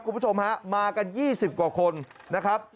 คุณผู้ชมฮะมากัน๒๐กว่าคนนะครับ